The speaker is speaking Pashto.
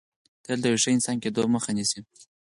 تل د یو ښه انسان کېدو مخه نیسي